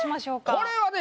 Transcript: これはね